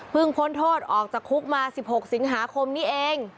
พ้นโทษออกจากคุกมา๑๖สิงหาคมนี้เอง